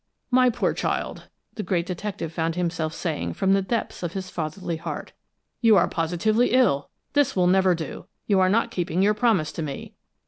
"My poor child!" the great detective found himself saying from the depths of his fatherly heart. "You are positively ill! This will never do. You are not keeping your promise to me."